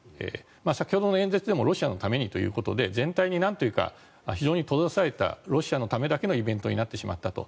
先ほどの演説でもロシアのためにということで全体に、なんというか非常に閉ざされたロシアのためだけのイベントになってしまったと。